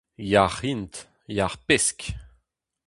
Yac'h int, yac'h-pesk.